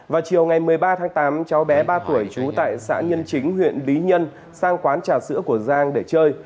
vào chiều ngày một mươi ba tháng tám cháu bé ba tuổi trú tại xã nhân chính huyện lý nhân sang quán trà sữa của giang để chơi